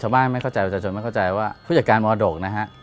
บางทีชาวบ้านไม่เข้าใจว่าผู้จัดการมรดกนะครับ